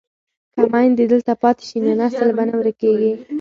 که میندې دلته پاتې شي نو نسل به نه ورکيږي.